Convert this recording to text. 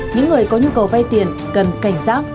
những người có nhu cầu vay tiền cần cảnh giác